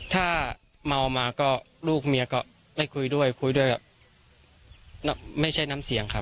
ถ้าเมามาก็ลูกเมียก็ไม่คุยด้วยคุยด้วยไม่ใช่น้ำเสียงครับ